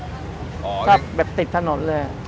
ค่ะชอบแบบติดถนนเลย